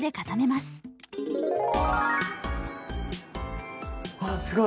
すごい！